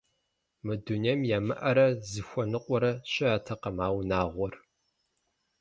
Мы дунейм ямыӀэрэ зыхуэныкъуэрэ щыӀэтэкъым а унагъуэр.